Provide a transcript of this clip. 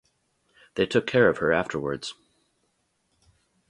They took care of her afterwards.